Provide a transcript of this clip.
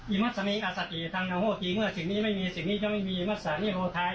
อิมัสมิงอสติทางโฮกิเมื่อสิ่งนี้ไม่มีสิ่งนี้ย่อมมีมัสสานิโฮไทย